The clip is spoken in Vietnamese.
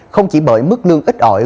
không chỉ bởi mức lương ít ỏi